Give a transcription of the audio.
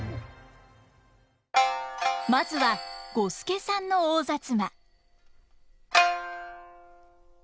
まずは五助さんの「大摩」。